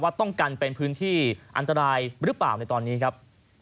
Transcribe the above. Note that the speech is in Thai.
ต้องกันเป็นพื้นที่อันตรายหรือเปล่าในตอนนี้ครับ